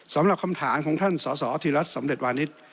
สำหรับคำถามของท่านสสธิรัฐสำเร็จวานิส